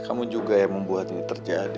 kamu juga yang membuat ini terjadi